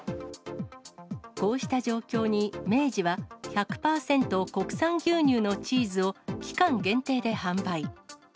こうした状況に明治は、１００％国産牛乳のチーズを、期間限定で販売。